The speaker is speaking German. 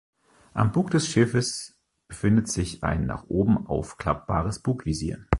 Am Bug des Schiffes befindet sich ein nach oben aufklappbares Bugvisier.